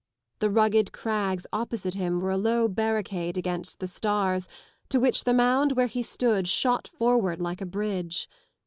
(The rugged crags opposite him were a low barricade against the stars to which the mound where he stood shot forward like a bridge.